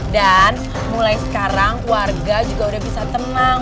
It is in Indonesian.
dan mulai sekarang warga juga udah bisa tenang